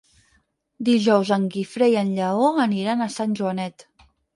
Dijous en Guifré i en Lleó aniran a Sant Joanet.